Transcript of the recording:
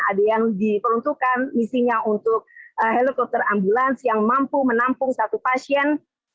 ada yang diperuntukkan misinya untuk helikopter ambulans yang mampu menampung satu pasien